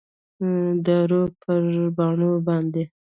داور پر پاڼو باندي ،